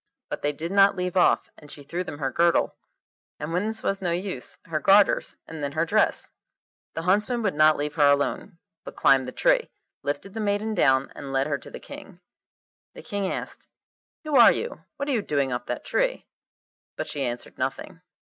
But they did not leave off, and she threw them her girdle, and when this was no use, her garters, and then her dress. The huntsmen would not leave her alone, but climbed the tree, lifted the maiden down, and led her to the King. The King asked, 'Who are you? What are you doing up that tree?' But she answered nothing.